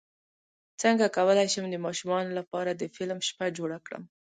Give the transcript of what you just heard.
څنګه کولی شم د ماشومانو لپاره د فلم شپه جوړه کړم